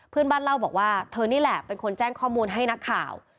เพื่อนบ้านเล่าบอกว่าเธอนี่แหละเป็นคนแจ้งข้อมูลให้นักข่าว